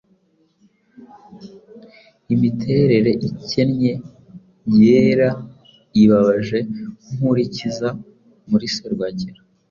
Imiterere ikennye, yera, ibabaje Nkurikiza muri serwakira